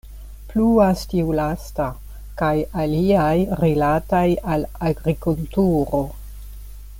Pluas tiu lasta kaj aliaj rilataj al agrikulturo.